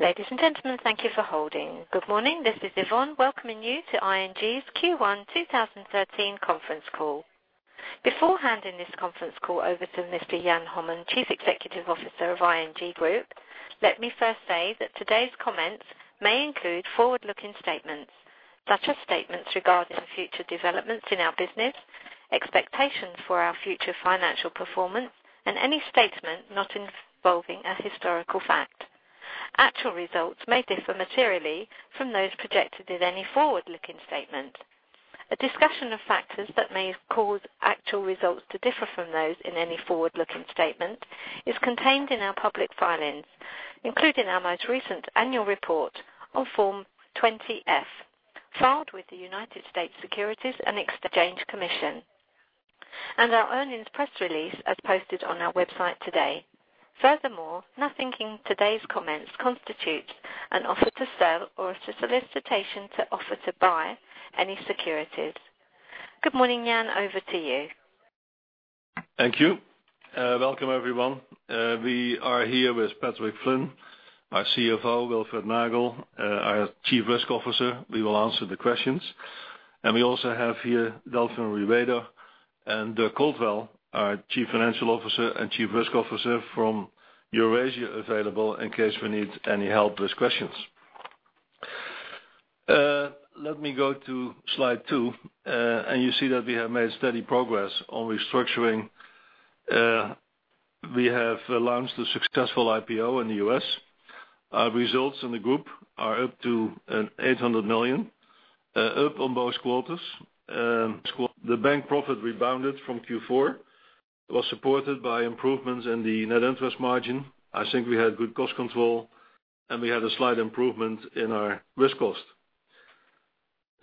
Ladies and gentlemen, thank you for holding. Good morning. This is Yvonne, welcoming you to ING's Q1 2013 conference call. Beforehand in this conference call over to Mr. Jan Hommen, Chief Executive Officer of ING Groep, let me first say that today's comments may include forward-looking statements, such as statements regarding future developments in our business, expectations for our future financial performance, and any statement not involving a historical fact. Actual results may differ materially from those projected in any forward-looking statement. A discussion of factors that may cause actual results to differ from those in any forward-looking statement is contained in our public filings, including our most recent annual report on Form 20-F, filed with the United States Securities and Exchange Commission, and our earnings press release as posted on our website today. Furthermore, nothing in today's comments constitutes an offer to sell or a solicitation to offer to buy any securities. Good morning, Jan, over to you. Thank you. Welcome, everyone. We are here with Patrick Flynn, our CFO, Wilfred Nagel, our Chief Risk Officer. We will answer the questions. We also have here Delphine Riotor and Dirk Holtwell, our Chief Financial Officer and Chief Risk Officer from Eurasia available in case we need any help with questions. Let me go to slide two. You see that we have made steady progress on restructuring. We have launched a successful IPO in the U.S. Our results in the group are up to 800 million, up on both quarters. The bank profit rebounded from Q4, was supported by improvements in the net interest margin. I think we had good cost control, and we had a slight improvement in our risk cost.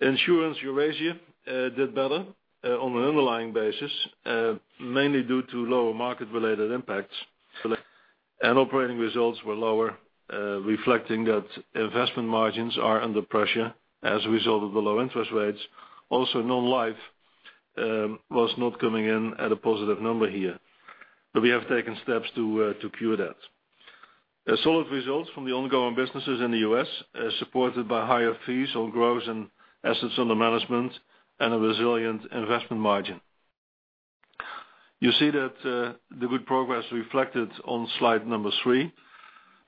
Insurance Eurasia did better on an underlying basis, mainly due to lower market-related impacts. Operating results were lower, reflecting that investment margins are under pressure as a result of the low interest rates. Also non-life was not coming in at a positive number here. We have taken steps to cure that. Solid results from the ongoing businesses in the U.S., supported by higher fees or growth in assets under management and a resilient investment margin. You see that the good progress reflected on slide number three.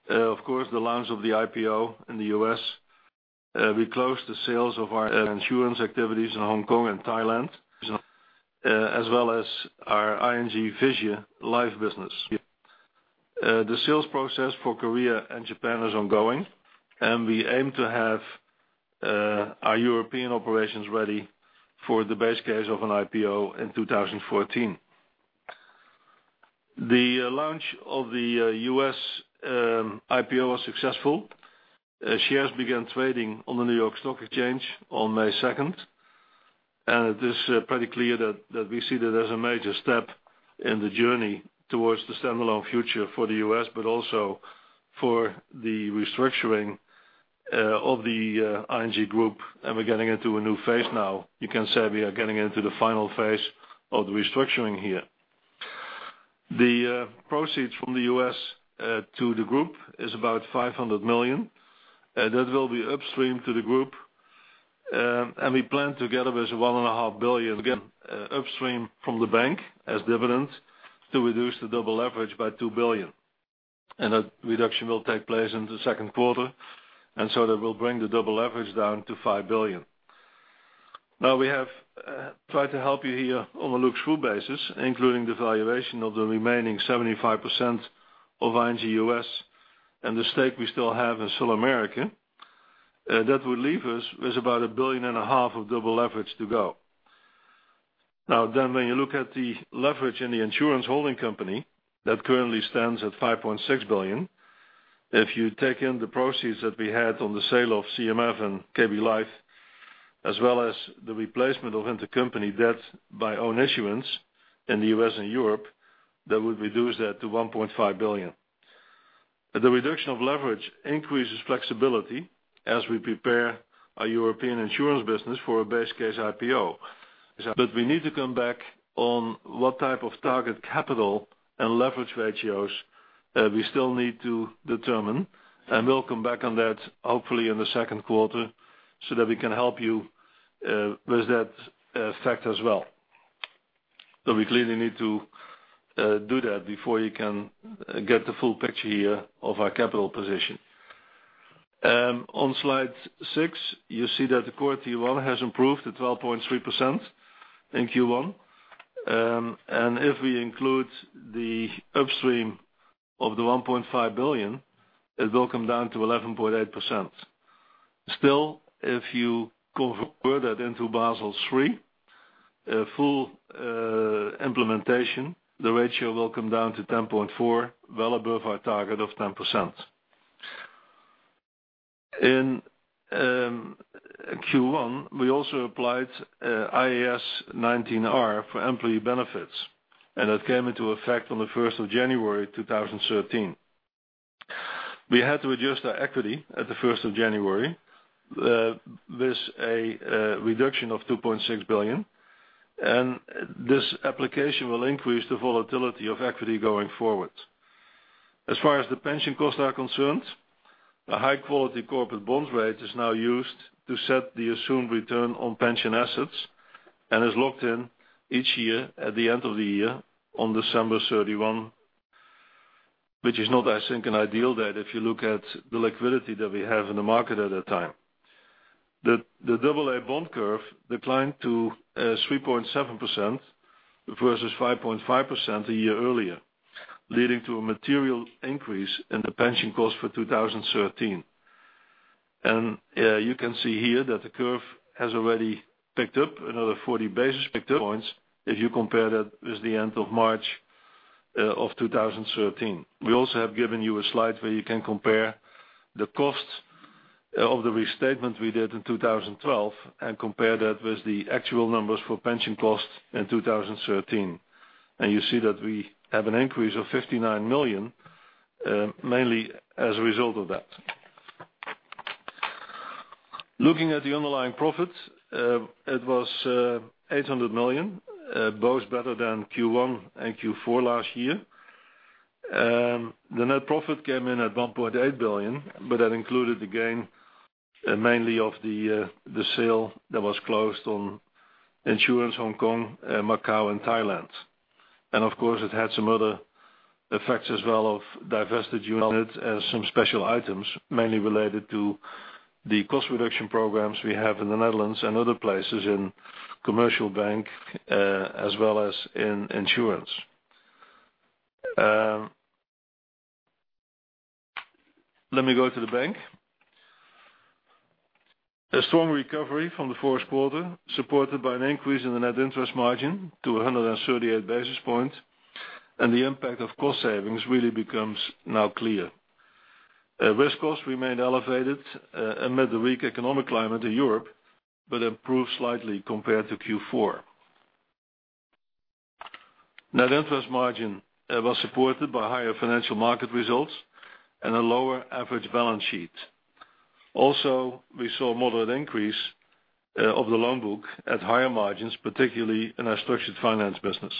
Of course, the launch of the IPO in the U.S. We closed the sales of our insurance activities in Hong Kong and Thailand, as well as our ING Vysya life business. The sales process for Korea and Japan is ongoing, and we aim to have our European operations ready for the base case of an IPO in 2014. The launch of the U.S. IPO was successful. Shares began trading on the New York Stock Exchange on May 2nd. It is pretty clear that we see that as a major step in the journey towards the standalone future for the U.S., but also for the restructuring of the ING Groep. We're getting into a new phase now. You can say we are getting into the final phase of the restructuring here. The proceeds from the U.S. to the group is about 500 million. That will be upstreamed to the group. We plan together with 1.5 billion again, upstream from the bank as dividends to reduce the double leverage by 2 billion. That reduction will take place in the second quarter. That will bring the double leverage down to 5 billion. We have tried to help you here on a look-through basis, including the valuation of the remaining 75% of ING U.S. and the stake we still have in SulAmérica. That would leave us with about 1.5 billion of double leverage to go. When you look at the leverage in the insurance holding company, that currently stands at 5.6 billion. If you take in the proceeds that we had on the sale of CMF and KB Life, as well as the replacement of intercompany debt by own issuance in the U.S. and Europe, that would reduce that to 1.5 billion. The reduction of leverage increases flexibility as we prepare our European insurance business for a base case IPO. We need to come back on what type of target capital and leverage ratios we still need to determine. We'll come back on that hopefully in the second quarter so that we can help you with that fact as well. We clearly need to do that before you can get the full picture here of our capital position. On slide six, you see that the Core Tier 1 has improved to 12.3% in Q1. If we include the upstream of the 1.5 billion, it will come down to 11.8%. Still, if you convert that into Basel III, full implementation, the ratio will come down to 10.4%, well above our target of 10%. In Q1, we also applied IAS 19R for employee benefits. That came into effect on the 1st of January 2013. We had to adjust our equity at the 1st of January. There's a reduction of 2.6 billion. This application will increase the volatility of equity going forward. As far as the pension costs are concerned, the high-quality corporate bond rate is now used to set the assumed return on pension assets, and is locked in each year at the end of the year on December 31, which is not, I think, an ideal date if you look at the liquidity that we have in the market at that time. The AA bond curve declined to 3.7% versus 5.5% a year earlier, leading to a material increase in the pension cost for 2013. You can see here that the curve has already picked up another 40 basis points if you compare that with the end of March of 2013. We also have given you a slide where you can compare the cost of the restatement we did in 2012, compare that with the actual numbers for pension costs in 2013. You see that we have an increase of 59 million, mainly as a result of that. Looking at the underlying profit, it was 800 million, both better than Q1 and Q4 last year. The net profit came in at 1.8 billion, that included the gain mainly of the sale that was closed on insurance Hong Kong, Macau and Thailand. Of course, it had some other effects as well of divested units and some special items, mainly related to the cost reduction programs we have in the Netherlands and other places in commercial bank, as well as in insurance. Let me go to the bank. A strong recovery from the fourth quarter, supported by an increase in the net interest margin to 138 basis points, the impact of cost savings really becomes now clear. Risk costs remained elevated amid the weak economic climate in Europe, improved slightly compared to Q4. Net interest margin was supported by higher financial market results and a lower average balance sheet. Also, we saw a moderate increase of the loan book at higher margins, particularly in our structured finance business.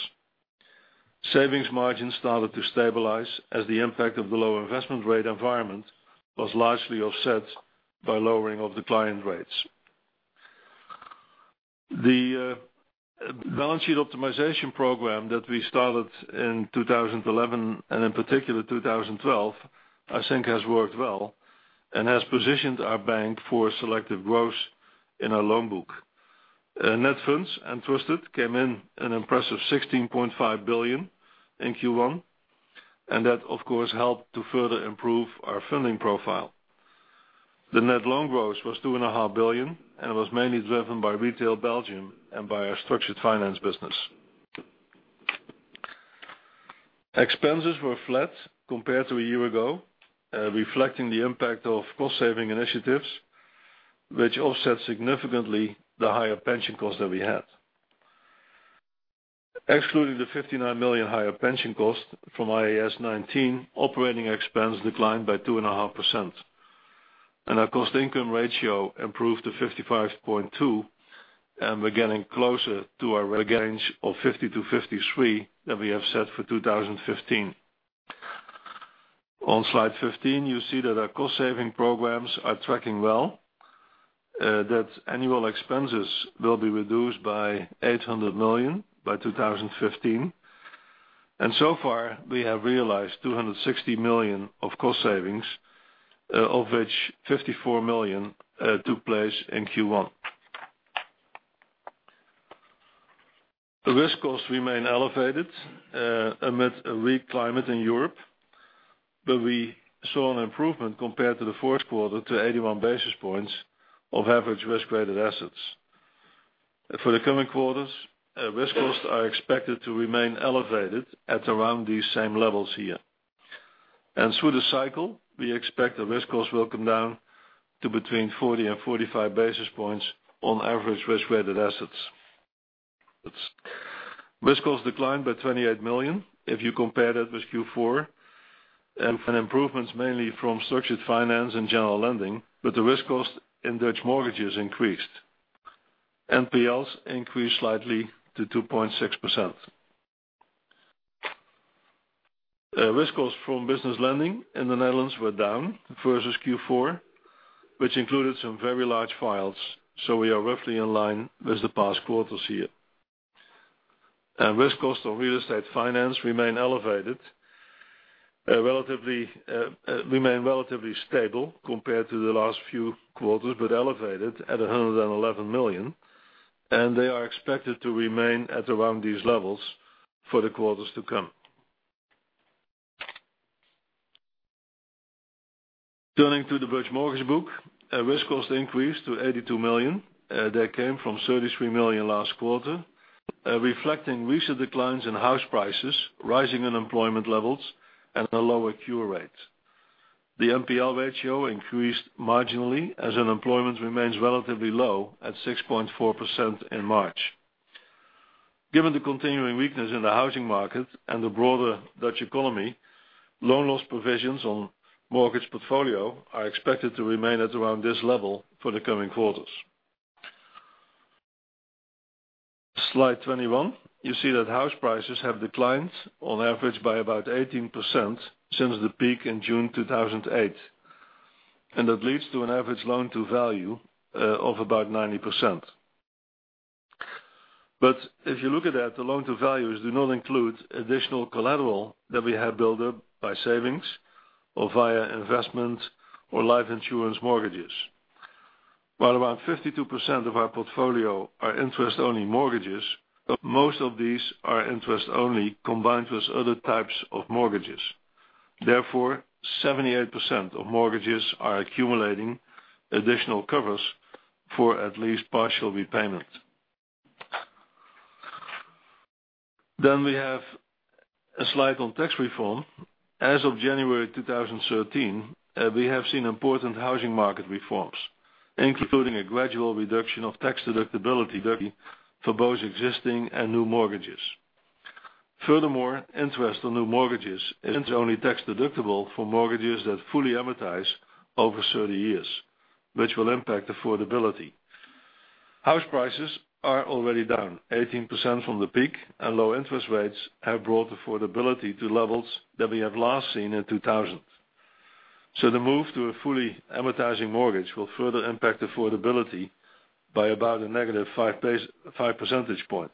Savings margins started to stabilize as the impact of the low investment rate environment was largely offset by lowering of the client rates. The balance sheet optimization program that we started in 2011, in particular 2012, I think has worked well, has positioned our bank for selective growth in our loan book. Net funds and trusted came in an impressive 16.5 billion in Q1, that of course helped to further improve our funding profile. The net loan growth was two and a half billion, was mainly driven by retail Belgium and by our structured finance business. Expenses were flat compared to a year ago, reflecting the impact of cost-saving initiatives, which offset significantly the higher pension costs that we had. Excluding the 59 million higher pension cost from IAS 19, operating expense declined by 2.5%. Our cost-income ratio improved to 55.2%, we are getting closer to our range of 52%-53% that we have set for 2015. On slide 15, you see that our cost-saving programs are tracking well. That annual expenses will be reduced by 800 million by 2015. So far, we have realized 260 million of cost savings, of which 54 million took place in Q1. The risk costs remain elevated, amid a weak climate in Europe, we saw an improvement compared to the fourth quarter to 81 basis points of average risk-rated assets. For the coming quarters, risk costs are expected to remain elevated at around these same levels here. Through the cycle, we expect the risk costs will come down to between 40 and 45 basis points on average risk-rated assets. Risk costs declined by 28 million if you compare that with Q4, improvements mainly from structured finance and general lending, the risk cost in Dutch mortgages increased. NPLs increased slightly to 2.6%. Risk costs from business lending in the Netherlands were down versus Q4, which included some very large files. We are roughly in line with the past quarters here. Risk costs on real estate finance remain elevated. Remain relatively stable compared to the last few quarters, but elevated at 111 million, and they are expected to remain at around these levels for the quarters to come. Turning to the Dutch mortgage book, risk cost increased to 82 million. That came from 33 million last quarter, reflecting recent declines in house prices, rising unemployment levels, and a lower cure rate. The NPL ratio increased marginally as unemployment remains relatively low at 6.4% in March. Given the continuing weakness in the housing market and the broader Dutch economy, loan loss provisions on mortgage portfolio are expected to remain at around this level for the coming quarters. Slide 21. You see that house prices have declined on average by about 18% since the peak in June 2008. That leads to an average loan-to-value of about 90%. But if you look at that, the loan-to-values do not include additional collateral that we have built up by savings or via investment or life insurance mortgages. While around 52% of our portfolio are interest-only mortgages, most of these are interest only combined with other types of mortgages. Therefore, 78% of mortgages are accumulating additional covers for at least partial repayment. Then we have a slide on tax reform. As of January 2013, we have seen important housing market reforms, including a gradual reduction of tax deductibility for both existing and new mortgages. Furthermore, interest on new mortgages is only tax deductible for mortgages that fully amortize over 30 years, which will impact affordability. House prices are already down 18% from the peak, and low interest rates have brought affordability to levels that we have last seen in 2000. The move to a fully amortizing mortgage will further impact affordability by about a negative five percentage point,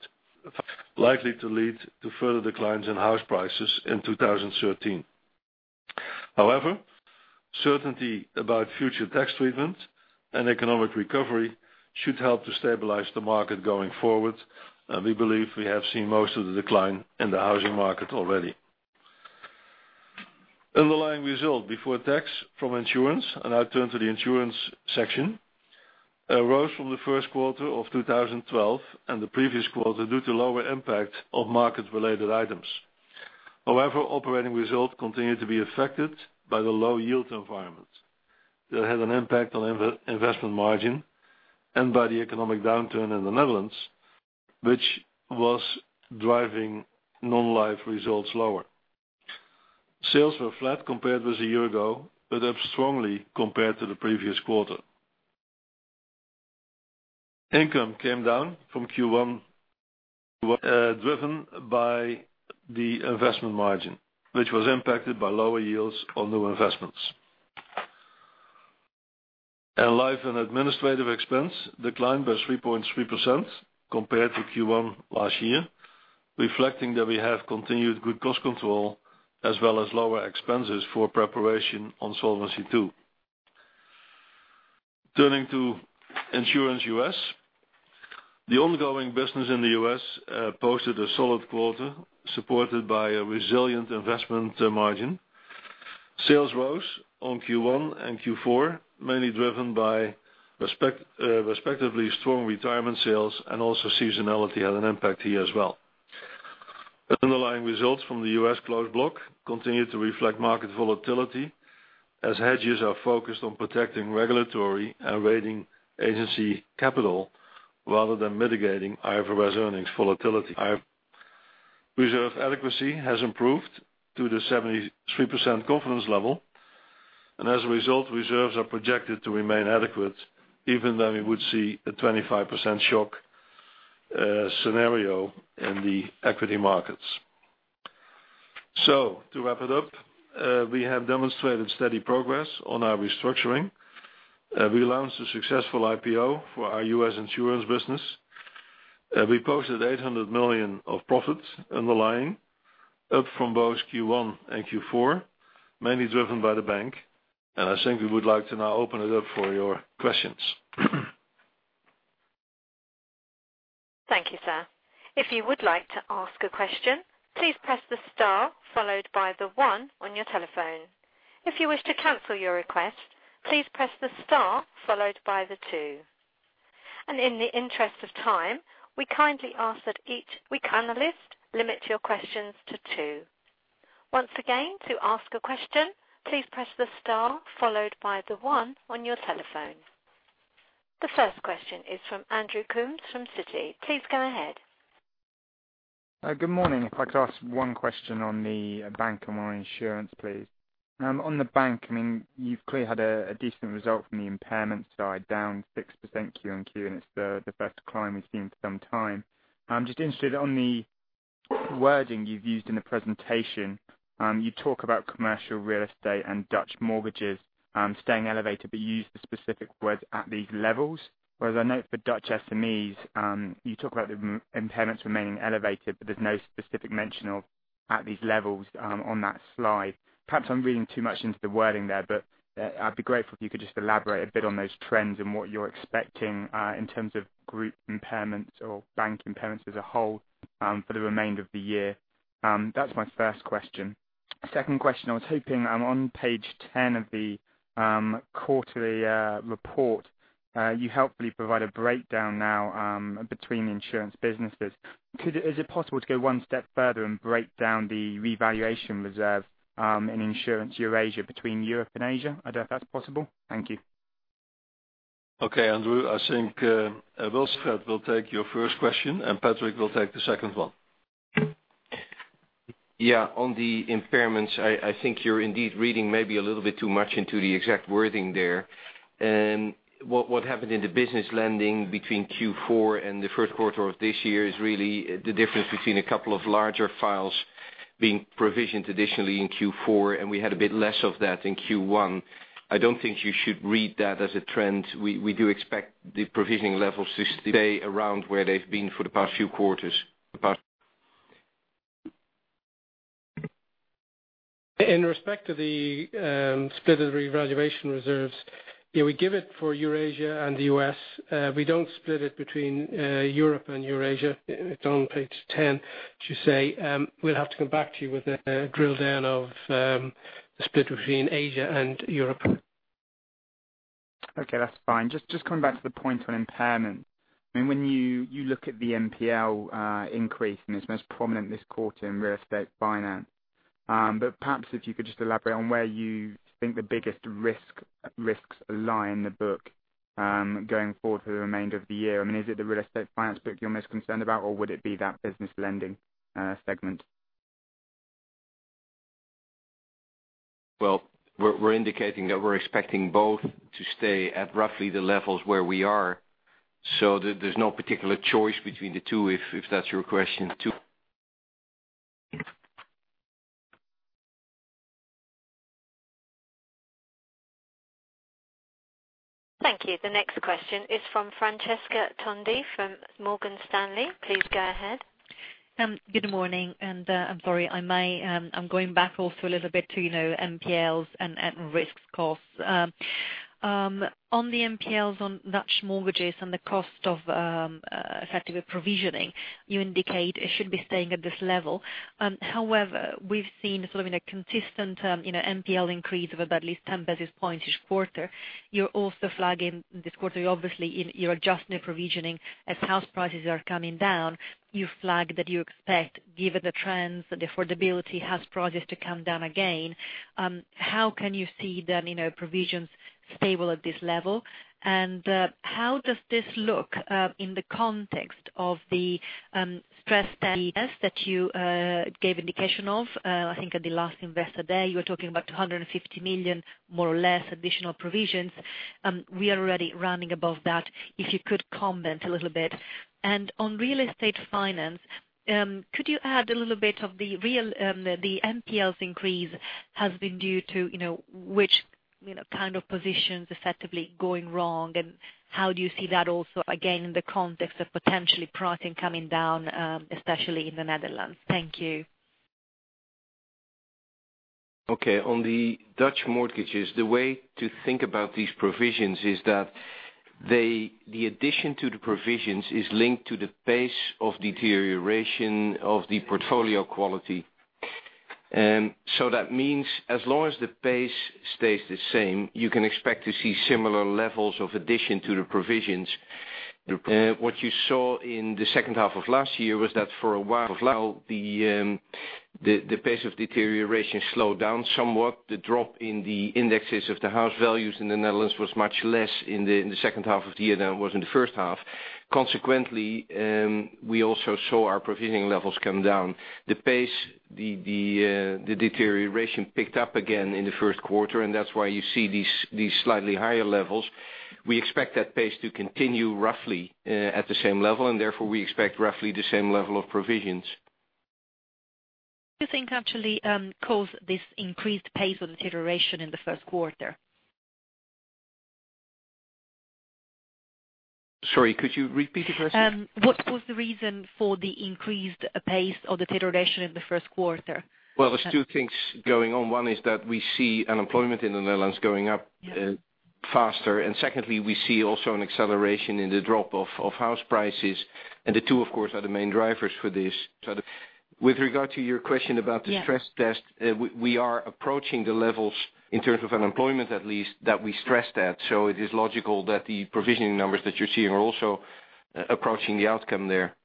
likely to lead to further declines in house prices in 2013. However, certainty about future tax treatment and economic recovery should help to stabilize the market going forward, and we believe we have seen most of the decline in the housing market already. Underlying result before tax from insurance, and I turn to the insurance section, rose from the first quarter of 2012 and the previous quarter due to lower impact of market-related items. However, operating results continued to be affected by the low yield environment that had an impact on investment margin and by the economic downturn in the Netherlands, which was driving non-life results lower. Sales were flat compared with a year ago, but up strongly compared to the previous quarter. Income came down from Q1, driven by the investment margin, which was impacted by lower yields on new investments. Life and administrative expense declined by 3.3% compared to Q1 last year, reflecting that we have continued good cost control as well as lower expenses for preparation on Solvency II. Turning to Insurance U.S. The ongoing business in the U.S. posted a solid quarter, supported by a resilient investment margin. Sales rose on Q1 and Q4, mainly driven by respectively strong retirement sales, and also seasonality had an impact here as well. Underlying results from the U.S. closed block continued to reflect market volatility as hedges are focused on protecting regulatory and rating agency capital rather than mitigating IRV earnings volatility. Reserve adequacy has improved to the 73% confidence level. As a result, reserves are projected to remain adequate, even though we would see a 25% shock scenario in the equity markets. To wrap it up, we have demonstrated steady progress on our restructuring. We announced a successful IPO for our U.S. insurance business. We posted 800 million of profits underlying, up from both Q1 and Q4, mainly driven by the bank. I think we would like to now open it up for your questions. Thank you, sir. If you would like to ask a question, please press the star followed by the one on your telephone. If you wish to cancel your request, please press the star followed by the two. In the interest of time, we kindly ask that each analyst limit your questions to two. Once again, to ask a question, please press the star followed by the one on your telephone. The first question is from Andrew Coombs from Citi. Please go ahead. Good morning. If I could ask one question on the bank and one on insurance, please. On the bank, you've clearly had a decent result from the impairment side, down 6% QOQ. It's the best climb we've seen for some time. I'm just interested on the wording you've used in the presentation. You talk about commercial real estate and Dutch mortgages staying elevated, but you use the specific words, "at these levels." Whereas I note for Dutch SMEs, you talk about the impairments remaining elevated, but there's no specific mention of at these levels on that slide. Perhaps I'm reading too much into the wording there, but I'd be grateful if you could just elaborate a bit on those trends and what you're expecting in terms of group impairments or bank impairments as a whole for the remainder of the year. That's my first question. Second question, I was hoping on page 10 of the quarterly report, you helpfully provide a breakdown now between insurance businesses. Is it possible to go one step further and break down the revaluation reserve in Insurance Eurasia between Europe and Asia? I don't know if that's possible. Thank you. Okay, Andrew, I think Wilfred will take your first question, and Patrick will take the second one. Yeah. On the impairments, I think you're indeed reading maybe a little bit too much into the exact wording there. What happened in the business lending between Q4 and the first quarter of this year is really the difference between a couple of larger files being provisioned additionally in Q4, and we had a bit less of that in Q1. I don't think you should read that as a trend. We do expect the provisioning levels to stay around where they've been for the past few quarters. In respect to the split of revaluation reserves, we give it for Eurasia and the U.S. We don't split it between Europe and Eurasia. It's on page 10. To say, we'll have to come back to you with a drill-down of the split between Asia and Europe. Okay, that's fine. Just coming back to the point on impairment. When you look at the NPL increase, and it's most prominent this quarter in real estate finance. Perhaps if you could just elaborate on where you think the biggest risks lie in the book, going forward for the remainder of the year. Is it the real estate finance book you're most concerned about, or would it be that business lending segment? Well, we're indicating that we're expecting both to stay at roughly the levels where we are, so there's no particular choice between the two, if that's your question, too. Thank you. The next question is from Francesca Tondi of Morgan Stanley. Please go ahead. Good morning. I'm sorry, I'm going back also a little bit to NPLs and risks costs. On the NPLs on Dutch mortgages and the cost of effectively provisioning, you indicate it should be staying at this level. However, we've seen sort of in a consistent NPL increase of at least 10 basis points each quarter. You're also flagging this quarter, obviously in your adjustment provisioning as house prices are coming down. You flagged that you expect, given the trends and affordability, house prices to come down again. How can you see then provisions stable at this level? How does this look in the context of the stress test that you gave indication of, I think at the last investor day, you were talking about 250 million, more or less, additional provisions. We are already running above that. If you could comment a little bit. On real estate finance, could you add a little bit of the NPLs increase has been due to which kind of positions effectively going wrong, and how do you see that also, again, in the context of potentially pricing coming down, especially in the Netherlands? Thank you. Okay. On the Dutch mortgages, the way to think about these provisions is that the addition to the provisions is linked to the pace of deterioration of the portfolio quality. That means as long as the pace stays the same, you can expect to see similar levels of addition to the provisions. What you saw in the second half of last year was that for a while, the pace of deterioration slowed down somewhat. The drop in the indexes of the house values in the Netherlands was much less in the second half of the year than it was in the first half. Consequently, we also saw our provisioning levels come down. The pace of deterioration picked up again in the first quarter, and that's why you see these slightly higher levels. We expect that pace to continue roughly at the same level. Therefore, we expect roughly the same level of provisions. What do you think actually caused this increased pace of deterioration in the first quarter? Sorry, could you repeat the question? What was the reason for the increased pace of deterioration in the first quarter? Well, there's two things going on. One is that we see unemployment in the Netherlands going up faster, secondly, we see also an acceleration in the drop of house prices. The two, of course, are the main drivers for this. With regard to your question about the stress test, we are approaching the levels in terms of unemployment at least, that we stress-test. It is logical that the provisioning numbers that you're seeing are also approaching the outcome there.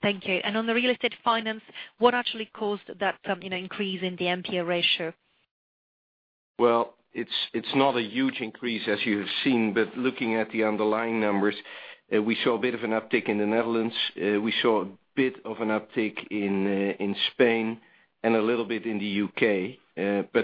Thank you. On the real estate finance, what actually caused that increase in the NPL ratio? Well, it's not a huge increase as you have seen, looking at the underlying numbers, we saw a bit of an uptick in the Netherlands. We saw a bit of an uptick in Spain and a little bit in the U.K.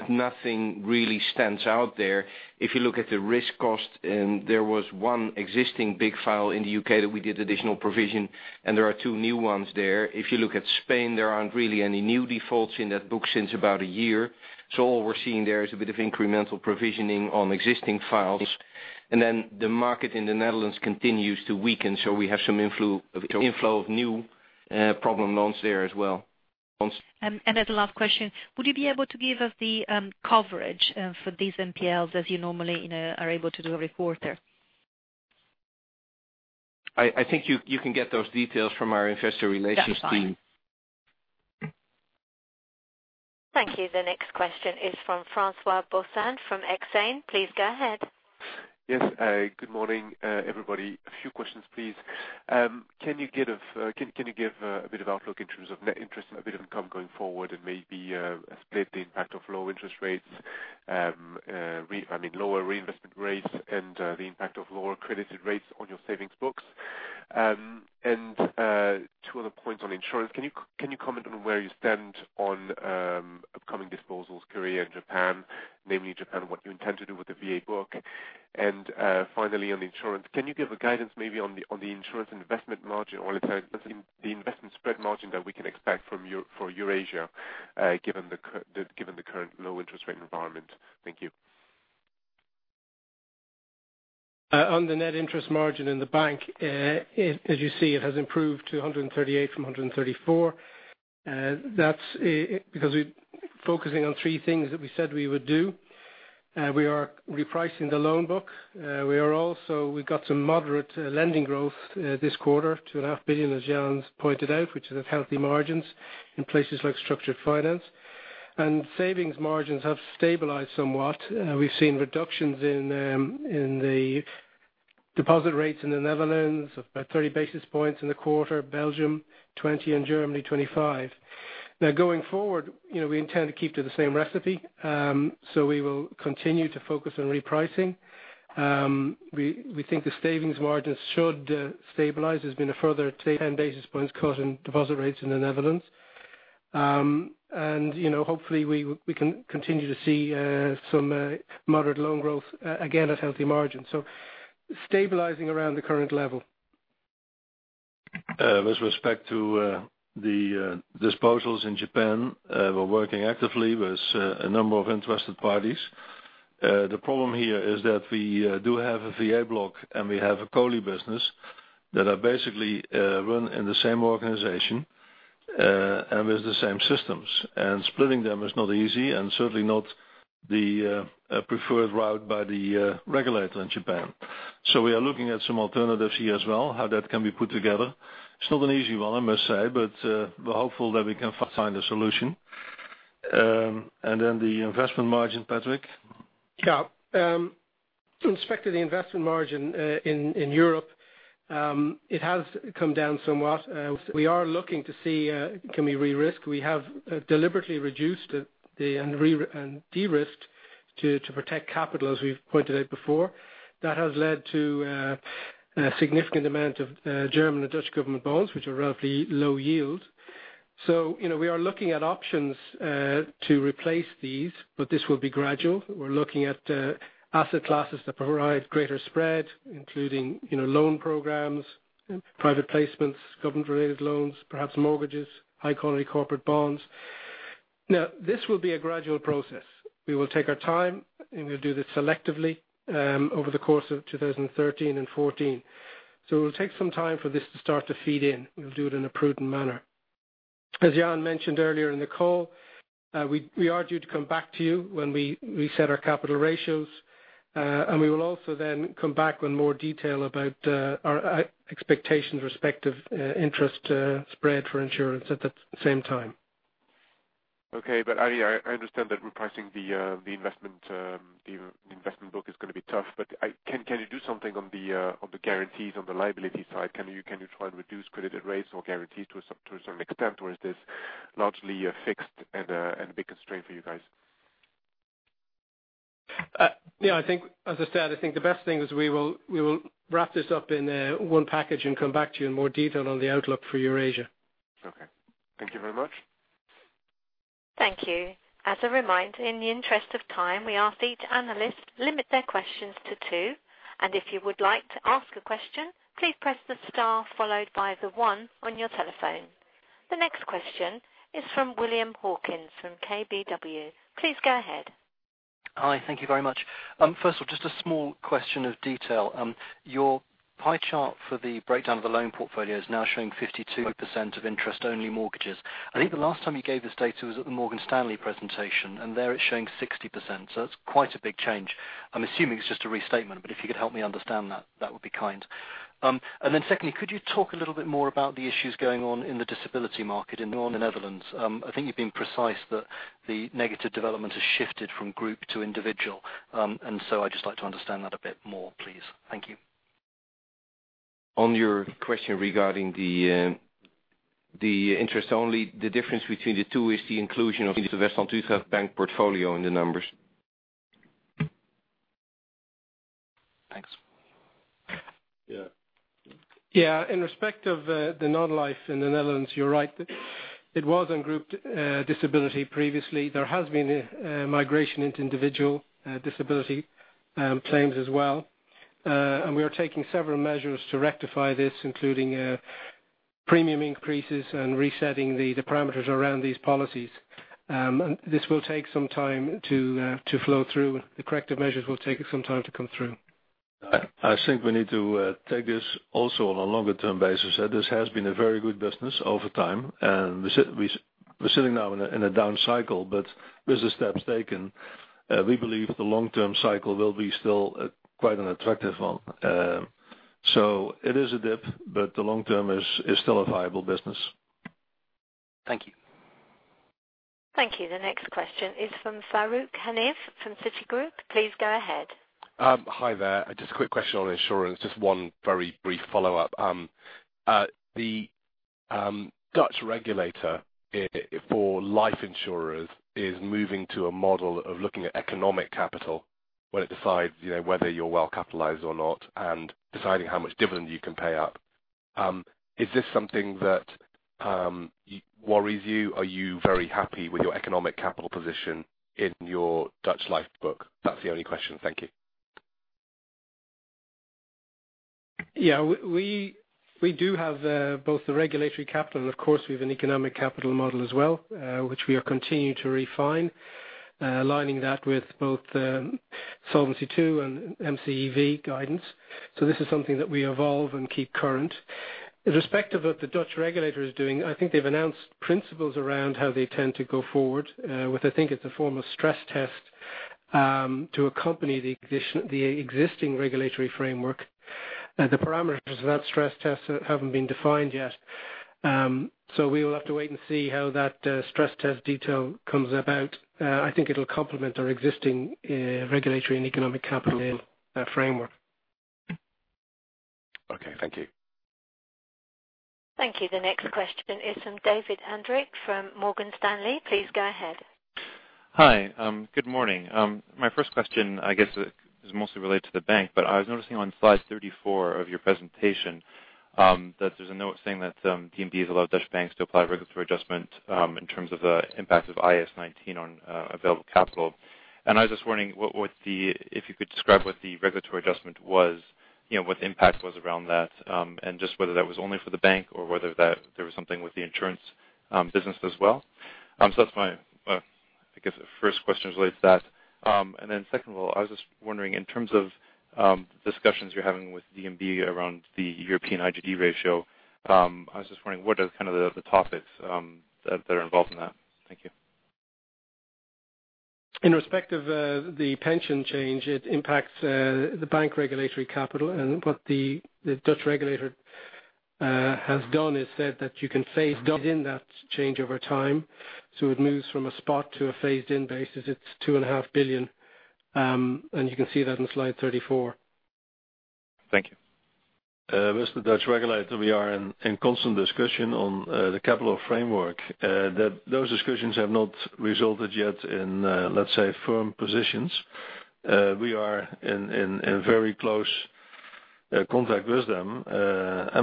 Nothing really stands out there. If you look at the risk cost, there was one existing big file in the U.K. that we did additional provision, and there are two new ones there. If you look at Spain, there aren't really any new defaults in that book since about a year. All we're seeing there is a bit of incremental provisioning on existing files. Then the market in the Netherlands continues to weaken, we have some inflow of new problem loans there as well. As a last question, would you be able to give us the coverage for these NPLs as you normally are able to do a report? I think you can get those details from our investor relations team. That's fine. Thank you. The next question is from François Boissan of Exane. Please go ahead. Yes. Good morning, everybody. A few questions, please. Can you give a bit of outlook in terms of net interest and a bit of income going forward and maybe state the impact of low interest rates, lower reinvestment rates, and the impact of lower credited rates on your savings books? 2 other points on insurance. Can you comment on where you stand on upcoming disposals, Korea and Japan, namely Japan, what you intend to do with the VA block? Finally, on insurance, can you give a guidance maybe on the investment margin or the investment spread margin that we can expect for Eurasia, given the current low interest rate environment? Thank you. On the net interest margin in the bank, as you see, it has improved to 138 basis points from 134 basis points. That's because we're focusing on 3 things that we said we would do. We are repricing the loan book. We got some moderate lending growth this quarter, 2.5 billion, as Jan pointed out, which is at healthy margins in places like structured finance. Savings margins have stabilized somewhat. We've seen reductions in the deposit rates in the Netherlands of about 30 basis points in the quarter, Belgium 20, and Germany 25. Going forward, we intend to keep to the same recipe. We will continue to focus on repricing. We think the savings margins should stabilize. There's been a further 10 basis points cut in deposit rates in the Netherlands. Hopefully, we can continue to see some moderate loan growth, again, at healthy margins. Stabilizing around the current level. With respect to the disposals in Japan, we're working actively with a number of interested parties. The problem here is that we do have a VA block, and we have a COLI business that are basically run in the same organization, and with the same systems. Splitting them is not easy and certainly not the preferred route by the regulator in Japan. We are looking at some alternatives here as well, how that can be put together. It's not an easy one, I must say, but we're hopeful that we can find a solution. The investment margin, Patrick. Yeah. In respect to the investment margin in Europe, it has come down somewhat. We are looking to see, can we re-risk? We have deliberately reduced and de-risked to protect capital, as we've pointed out before. That has led to a significant amount of German and Dutch government bonds, which are roughly low yield. We are looking at options to replace these, but this will be gradual. We're looking at asset classes that provide greater spread, including loan programs, private placements, government-related loans, perhaps mortgages, high quality corporate bonds. This will be a gradual process. We will take our time, and we'll do this selectively over the course of 2013 and 2014. It will take some time for this to start to feed in. We'll do it in a prudent manner. As Jan mentioned earlier in the call, we are due to come back to you when we reset our capital ratios. We will also then come back with more detail about our expectations respective interest spread for insurance at the same time. Okay. I understand that repricing the investment book is going to be tough. Can you do something on the guarantees on the liability side? Can you try and reduce credited rates or guarantees to some extent, or is this largely a fixed and a big constraint for you guys? Yeah, as I said, I think the best thing is we will wrap this up in one package and come back to you in more detail on the outlook for Eurasia. Okay. Thank you very much. Thank you. As a reminder, in the interest of time, we ask each analyst limit their questions to two. If you would like to ask a question, please press the star followed by the one on your telephone. The next question is from William Hawkins from KBW. Please go ahead. Hi. Thank you very much. First of all, just a small question of detail. Your pie chart for the breakdown of the loan portfolio is now showing 52% of interest-only mortgages. I think the last time you gave this data was at the Morgan Stanley presentation, and there it's showing 60%, so that's quite a big change. I'm assuming it's just a restatement, but if you could help me understand that would be kind. Then secondly, could you talk a little bit more about the issues going on in the disability market in the Netherlands? I think you've been precise that the negative development has shifted from group to individual. I'd just like to understand that a bit more, please. Thank you. On your question regarding the interest only, the difference between the two is the inclusion of the WestlandUtrecht Bank portfolio in the numbers. Thanks. Yeah. In respect of the non-life in the Netherlands, you're right. It was on group disability previously. There has been a migration into individual disability claims as well. We are taking several measures to rectify this, including premium increases and resetting the parameters around these policies. This will take some time to flow through. The corrective measures will take some time to come through. I think we need to take this also on a longer term basis. This has been a very good business over time. We're sitting now in a down cycle, but business steps taken. We believe the long-term cycle will be still quite an attractive one. It is a dip, but the long term is still a viable business. Thank you. Thank you. The next question is from Farooq Hanif from Citigroup. Please go ahead. Hi there. Just a quick question on insurance, just one very brief follow-up. The Dutch regulator for life insurers is moving to a model of looking at economic capital when it decides whether you're well capitalized or not, and deciding how much dividend you can pay out. Is this something that worries you? Are you very happy with your economic capital position in your Dutch life book? That's the only question. Thank you. Yeah. We do have both the regulatory capital, and of course, we have an economic capital model as well, which we are continuing to refine, aligning that with both Solvency II and MCEV guidance. This is something that we evolve and keep current. Irrespective of what the Dutch regulator is doing, I think they've announced principles around how they intend to go forward, with, I think it's a form of stress test, to accompany the existing regulatory framework. The parameters of that stress test haven't been defined yet. We will have to wait and see how that stress test detail comes about. I think it'll complement our existing regulatory and economic capital framework. Okay. Thank you. Thank you. The next question is from David Hendricks from Morgan Stanley. Please go ahead. Hi. Good morning. My first question, I guess, is mostly related to the bank. I was noticing on slide 34 of your presentation that there's a note saying that DNB has allowed Dutch banks to apply regulatory adjustment in terms of the impact of IAS 19 on available capital. I was just wondering if you could describe what the regulatory adjustment was, what the impact was around that, and just whether that was only for the bank or whether there was something with the insurance business as well. That's my, I guess, first question relates to that. Secondly, I was just wondering, in terms of discussions you're having with DNB around the European IGD ratio, I was just wondering, what are the topics that are involved in that? Thank you. In respect of the pension change, it impacts the bank regulatory capital. What the Dutch regulator has done is said that you can phase in that change over time. It moves from a spot to a phased-in basis. It's 2.5 billion, you can see that on slide 34. Thank you. With the Dutch regulator, we are in constant discussion on the capital framework. Those discussions have not resulted yet in, let's say, firm positions. We are in very close contact with them,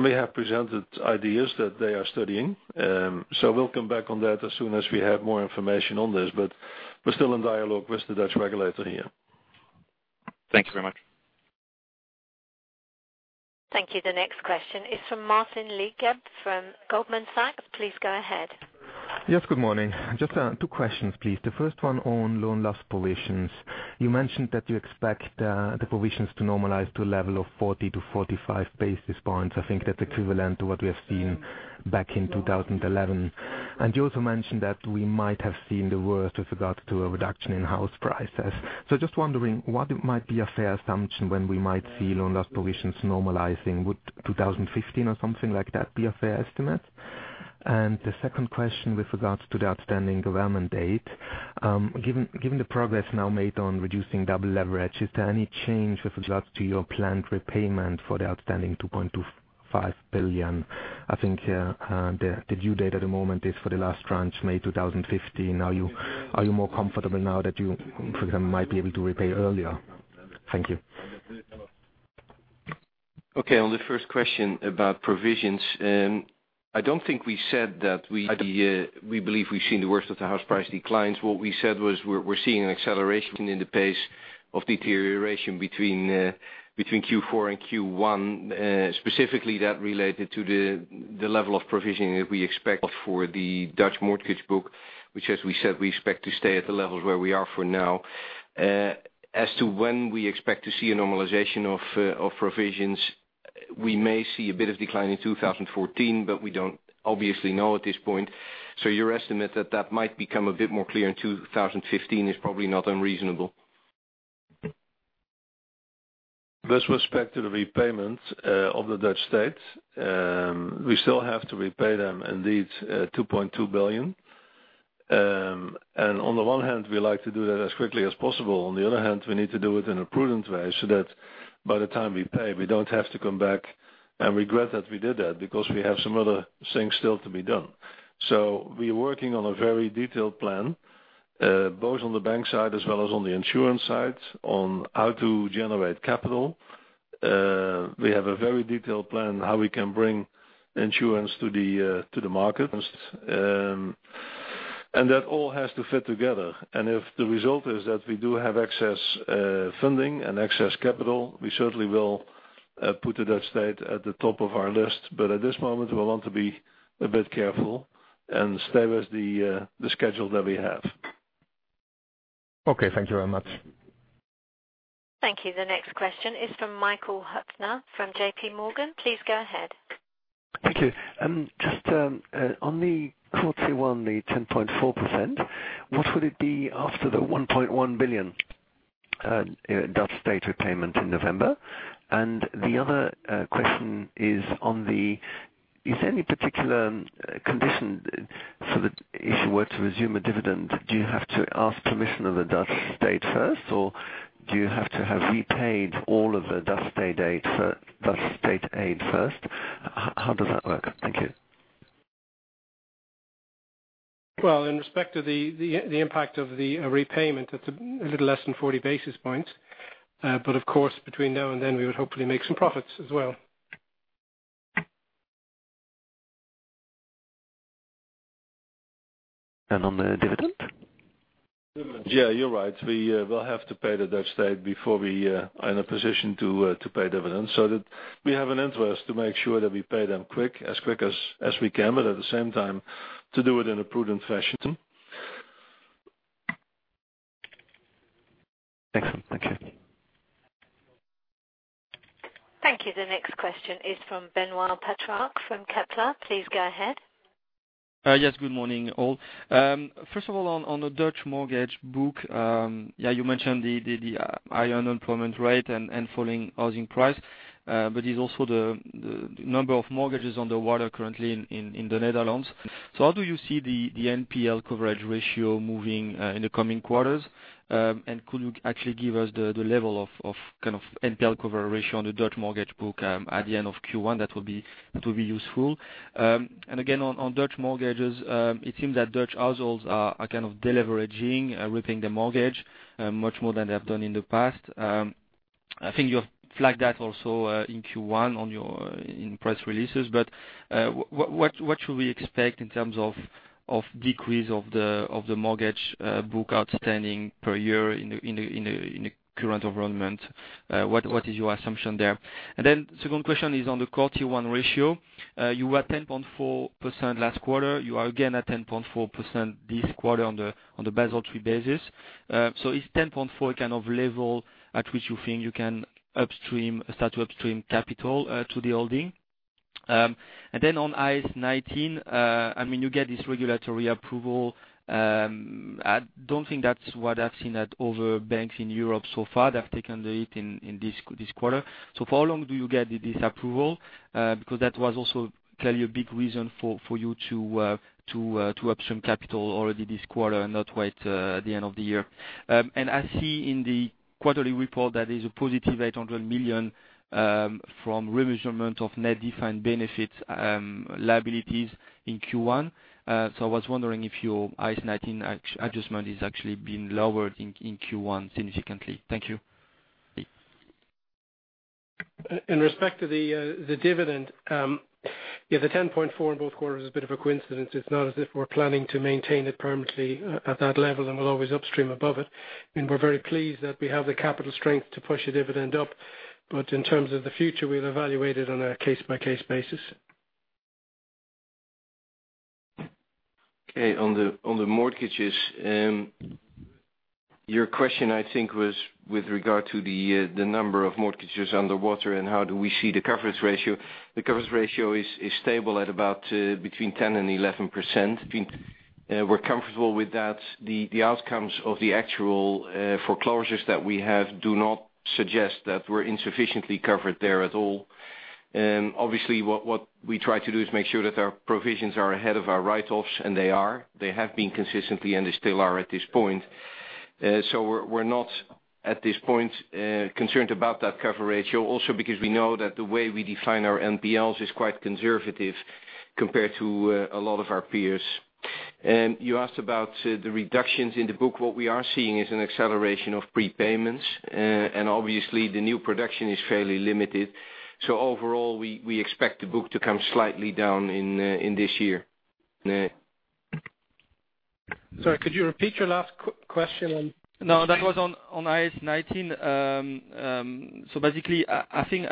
we have presented ideas that they are studying. We'll come back on that as soon as we have more information on this. We're still in dialogue with the Dutch regulator here. Thank you very much. Thank you. The next question is from Martin Leitgeb from Goldman Sachs. Please go ahead. Yes, good morning. Just two questions, please. The first one on loan loss provisions. You mentioned that you expect the provisions to normalize to a level of 40-45 basis points. I think that's equivalent to what we have seen back in 2011. You also mentioned that we might have seen the worst with regard to a reduction in house prices. Just wondering, what might be a fair assumption when we might see loan loss provisions normalizing? Would 2015 or something like that be a fair estimate? The second question with regards to the outstanding government debt. Given the progress now made on reducing double leverage, is there any change with regards to your planned repayment for the outstanding 2.25 billion? I think the due date at the moment is for the last tranche, May 2015. Are you more comfortable now that you, for example, might be able to repay earlier? Thank you. Okay, on the first question about provisions, I don't think we said that we believe we've seen the worst of the house price declines. What we said was we're seeing an acceleration in the pace of deterioration between Q4 and Q1, specifically that related to the level of provisioning that we expect for the Dutch mortgage book, which as we said, we expect to stay at the levels where we are for now. As to when we expect to see a normalization of provisions, we may see a bit of decline in 2014, but we don't obviously know at this point. Your estimate that that might become a bit more clear in 2015 is probably not unreasonable. With respect to the repayment of the Dutch state, we still have to repay them indeed 2.2 billion. On the one hand, we like to do that as quickly as possible. On the other hand, we need to do it in a prudent way so that by the time we pay, we don't have to come back and regret that we did that because we have some other things still to be done. We are working on a very detailed plan, both on the bank side as well as on the insurance side, on how to generate capital. We have a very detailed plan how we can bring insurance to the market. That all has to fit together. If the result is that we do have excess funding and excess capital, we certainly will put the Dutch state at the top of our list. At this moment, we want to be a bit careful and stay with the schedule that we have. Okay. Thank you very much. Thank you. The next question is from Michael Huttner from J.P. Morgan. Please go ahead. Thank you. Just on the Q1, the 10.4%, what would it be after the 1.1 billion? Dutch state repayment in November. The other question is there any particular condition if you were to resume a dividend, do you have to ask permission of the Dutch state first, or do you have to have repaid all of the Dutch state aid first? How does that work? Thank you. Well, in respect of the impact of the repayment, it's a little less than 40 basis points. Of course, between now and then we would hopefully make some profits as well. On the dividend? Yeah, you're right. We will have to pay the Dutch state before we are in a position to pay dividends. We have an interest to make sure that we pay them as quick as we can, but at the same time, to do it in a prudent fashion. Excellent. Thank you. Thank you. The next question is from Benoît Pétrarque from Kepler. Please go ahead. Good morning, all. First of all, on the Dutch mortgage book, you mentioned the high unemployment rate and falling housing price. It's also the number of mortgages underwater currently in the Netherlands. How do you see the NPL coverage ratio moving in the coming quarters? Could you actually give us the level of NPL coverage ratio on the Dutch mortgage book at the end of Q1? That would be useful. Again, on Dutch mortgages, it seems that Dutch households are kind of deleveraging, repaying the mortgage much more than they have done in the past. I think you have flagged that also in Q1 in press releases. What should we expect in terms of decrease of the mortgage book outstanding per year in the current environment? What is your assumption there? Second question is on the Core Tier 1 ratio. You were at 10.4% last quarter. You are again at 10.4% this quarter on the Basel III basis. Is 10.4 a kind of level at which you think you can start to upstream capital to the holding? On IFRS 19, you get this regulatory approval. I don't think that's what I've seen at other banks in Europe so far. They've taken the hit in this quarter. For how long do you get this approval? Because that was also clearly a big reason for you to upstream capital already this quarter and not wait at the end of the year. I see in the quarterly report that is a positive 800 million from remeasurement of net defined benefits liabilities in Q1. I was wondering if your IFRS 19 adjustment is actually being lowered in Q1 significantly. Thank you. In respect to the dividend, the 10.4 in both quarters is a bit of a coincidence. It's not as if we're planning to maintain it permanently at that level, and we'll always upstream above it. We're very pleased that we have the capital strength to push the dividend up. In terms of the future, we'll evaluate it on a case-by-case basis. Okay, on the mortgages. Your question, I think, was with regard to the number of mortgages underwater and how do we see the coverage ratio. The coverage ratio is stable at about between 10%-11%. We're comfortable with that. The outcomes of the actual foreclosures that we have do not suggest that we're insufficiently covered there at all. Obviously, what we try to do is make sure that our provisions are ahead of our write-offs, and they are. They have been consistently, and they still are at this point. We're not at this point concerned about that cover ratio. Also because we know that the way we define our NPLs is quite conservative compared to a lot of our peers. You asked about the reductions in the book. What we are seeing is an acceleration of prepayments, obviously the new production is fairly limited. overall, we expect the book to come slightly down in this year. Sorry, could you repeat your last question? No, that was on IFRS 19. Basically, I think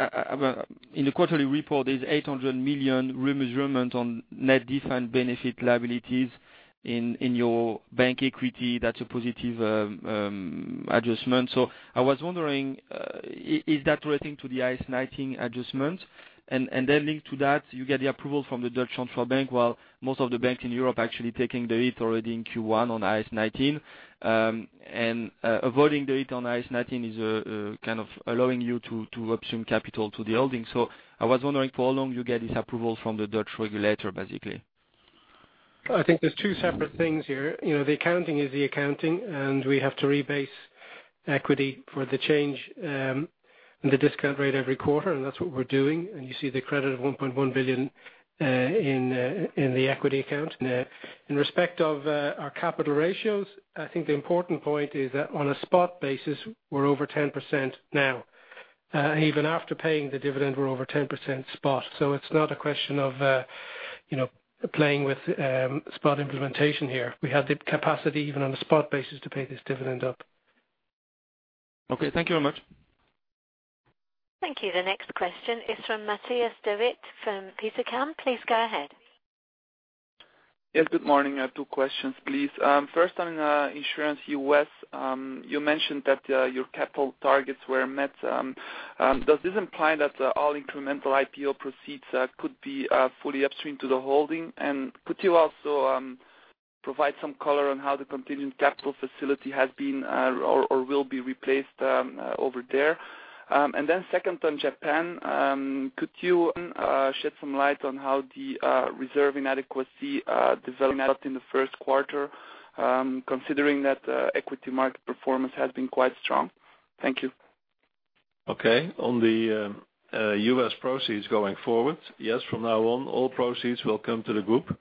in the quarterly report is 800 million remeasurement on net defined benefit liabilities in your bank equity. That's a positive adjustment. I was wondering, is that relating to the IFRS 19 adjustment? Linked to that, you get the approval from the Dutch Central Bank, while most of the banks in Europe actually taking the hit already in Q1 on IFRS 19. Avoiding the hit on IFRS 19 is kind of allowing you to upstream capital to the holding. I was wondering for how long you get this approval from the Dutch regulator, basically. I think there's two separate things here. The accounting is the accounting, we have to rebase equity for the change in the discount rate every quarter, that's what we're doing. You see the credit of 1.1 billion in the equity account. In respect of our capital ratios, I think the important point is that on a spot basis, we're over 10% now. Even after paying the dividend, we're over 10% spot. It's not a question of playing with spot implementation here. We have the capacity, even on a spot basis, to pay this dividend up. Okay. Thank you very much. Thank you. The next question is from Matthias De Wit from Petercam. Please go ahead. Yes, good morning. I have two questions, please. First on ING U.S., you mentioned that your capital targets were met. Does this imply that all incremental IPO proceeds could be fully upstream to the holding? Could you also provide some color on how the contingent capital facility has been or will be replaced over there. Second, on Japan, could you shed some light on how the reserve inadequacy developed in the first quarter, considering that equity market performance has been quite strong? Thank you. Okay. On the U.S. proceeds going forward. Yes, from now on, all proceeds will come to the group.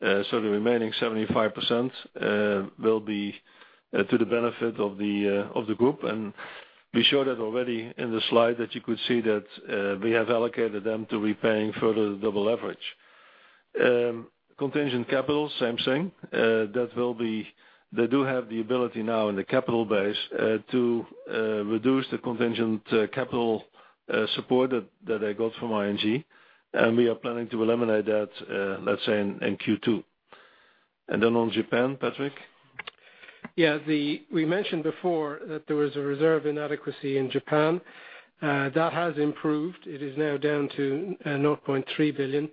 The remaining 75% will be to the benefit of the group, and we showed that already in the slide that you could see that we have allocated them to repaying further double leverage. Contingent capital, same thing. They do have the ability now in the capital base to reduce the contingent capital support that they got from ING. We are planning to eliminate that, let's say, in Q2. On Japan, Patrick? Yeah. We mentioned before that there was a reserve inadequacy in Japan. That has improved. It is now down to 0.3 billion.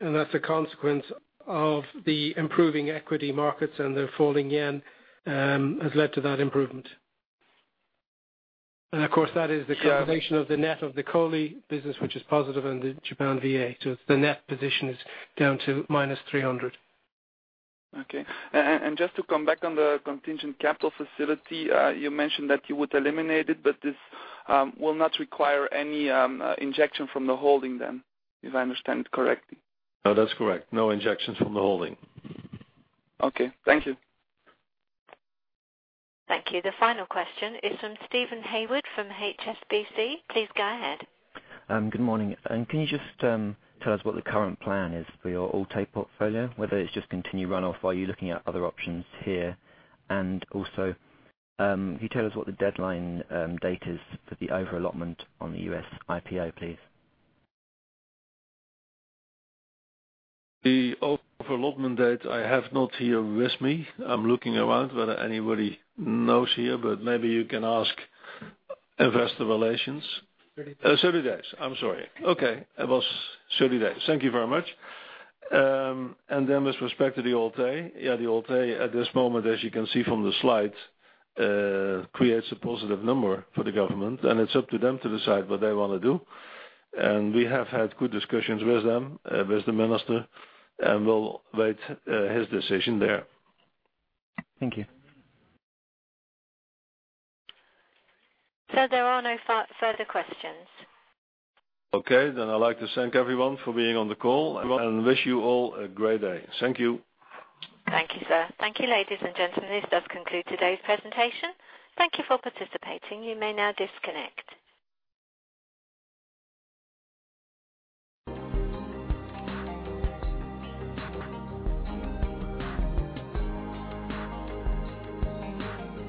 That's a consequence of the improving equity markets and the falling yen has led to that improvement. Of course, that is the combination of the net of the COLI business, which is positive in the Japan VA. The net position is down to minus 300. Okay. Just to come back on the contingent capital facility, you mentioned that you would eliminate it, but this will not require any injection from the holding then, if I understand it correctly. No, that's correct. No injections from the holding. Okay. Thank you. Thank you. The final question is from Steven Hayward from HSBC. Please go ahead. Good morning. Can you just tell us what the current plan is for your Alt-A portfolio, whether it is just continued runoff? Are you looking at other options here? Also, can you tell us what the deadline date is for the overallotment on the U.S. IPO, please? The overallotment date, I have not here with me. I am looking around whether anybody knows here, but maybe you can ask investor relations. 30 days. 30 days. I'm sorry. Okay. It was 30 days. Thank you very much. With respect to the Alt-A. The Alt-A at this moment, as you can see from the slides, creates a positive number for the government, and it's up to them to decide what they want to do. We have had good discussions with them, with the minister, and we'll wait his decision there. Thank you. Sir, there are no further questions. I'd like to thank everyone for being on the call and wish you all a great day. Thank you. Thank you, sir. Thank you, ladies and gentlemen. This does conclude today's presentation. Thank you for participating. You may now disconnect.